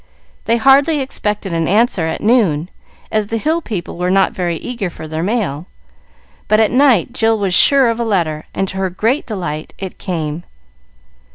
They hardly expected an answer at noon, as the Hill people were not very eager for their mail, but at night Jill was sure of a letter, and to her great delight it came.